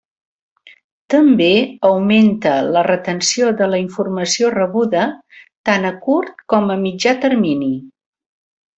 També augmenta la retenció de la informació rebuda tant a curt com a mitjà termini.